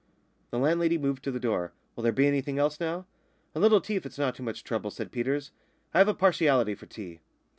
The landlady moved to the door. "Will there be anything else now?" "A little tea, if it's not too much trouble," said Peters. "I have a partiality for tea."